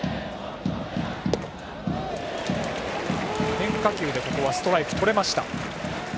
変化球でストライクがとれました。